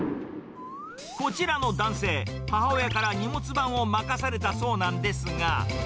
こちらの男性、母親から荷物番を任されたそうなんですが。